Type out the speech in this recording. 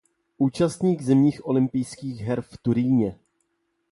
Účastník zimních olympijských her v Turíně.